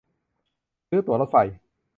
ซื้อตั๋วรถไฟ